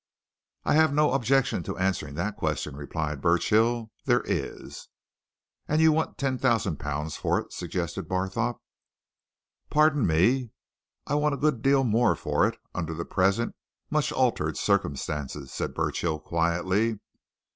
"I have no objection to answering that question," replied Burchill. "There is!" "And you want ten thousand pounds for it?" suggested Barthorpe. "Pardon me I want a good deal more for it, under the present much altered circumstances," said Burchill quietly.